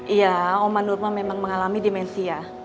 iya oma nurma memang mengalami dementia